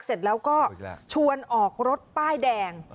เสร็จแล้วก็ชวนออกรถป้ายแดง